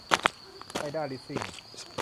ไมด้า ลิสซิ่ง